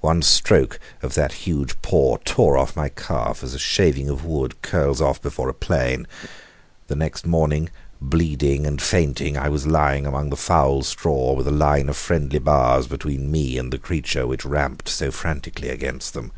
One stroke of that huge paw tore off my calf as a shaving of wood curls off before a plane. The next moment, bleeding and fainting, I was lying among the foul straw with a line of friendly bars between me and the creature which ramped so frantically against them.